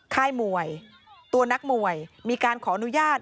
ค่ายมวยตัวนักมวยมีการขออนุญาต